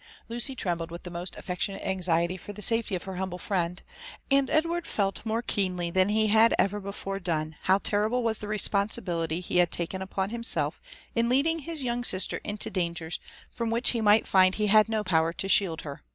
Lucy trembled with the most aSectionate anxiety for the safety of her humble friend ; and Edward felt more keenly than he had ever before done, how terrible was the responsibility he had taken upon himself in leading his young sister into dangers from which he might find he had no power to shield her.